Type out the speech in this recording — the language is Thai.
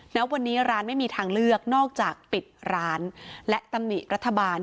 ณวันนี้ร้านไม่มีทางเลือกนอกจากปิดร้านและตำหนิรัฐบาล